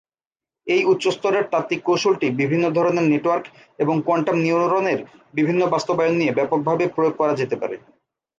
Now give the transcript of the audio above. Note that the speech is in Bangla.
এই উচ্চ-স্তরের তাত্ত্বিক কৌশলটি বিভিন্ন ধরনের নেটওয়ার্ক এবং কোয়ান্টাম নিউরনের বিভিন্ন বাস্তবায়ন নিয়ে ব্যাপকভাবে প্রয়োগ করা যেতে পারে।